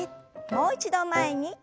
もう一度前に。